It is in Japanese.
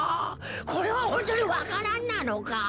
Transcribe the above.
これはホントにわか蘭なのか？